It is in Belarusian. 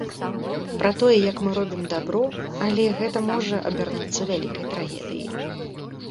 Пра тое, як мы робім дабро, але гэта можа абярнуцца вялікай трагедыяй.